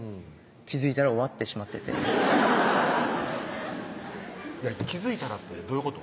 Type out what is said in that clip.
気付いたら終わってしまってて「気付いたら」ってどういうこと？